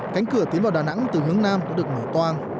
cánh cửa tiến vào đà nẵng từ hướng nam cũng được mở toan